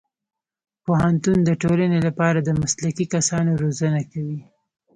پوهنتون د ټولنې لپاره د مسلکي کسانو روزنه کوي.